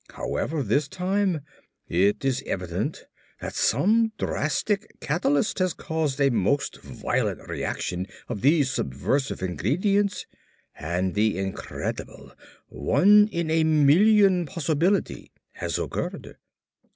However, this time, it is evident that some drastic catalyst has caused a most violent reaction of these subversive ingredients and the incredible, one in a million possibility has occurred.